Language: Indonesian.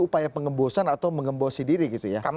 upaya pengembosan atau mengembosi diri gitu ya